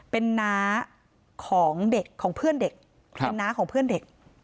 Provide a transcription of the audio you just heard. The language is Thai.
เป็นน้าของเด็กของเพื่อนเด็กเป็นน้าของเพื่อนเด็ก